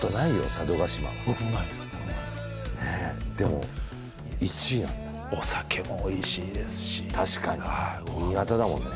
佐渡島は僕もないですねえでも１位なんだお酒もおいしいですし確かに新潟だもんね